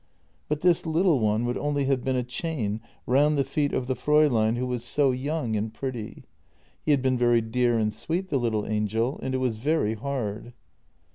But this little one would only have been a chain round the feet of the Fraulein who was so young JENNY 247 and pretty. He had been very dear and sweet, the little angel, and it was very hard.